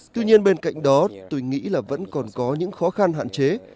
tuy nhiên bên cạnh đó tôi nghĩ là vẫn còn có những khó khăn hạn chế